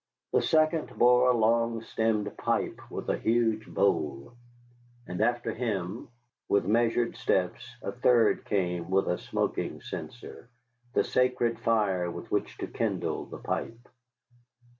The second bore a long stemmed pipe with a huge bowl. And after him, with measured steps, a third came with a smoking censer, the sacred fire with which to kindle the pipe.